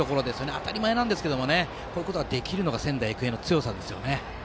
当たり前なんですがこういうことができるのが仙台育英の強さですよね。